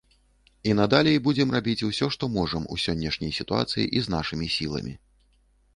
І надалей будзем рабіць усё, што можам у сённяшняй сітуацыі і з нашымі сіламі.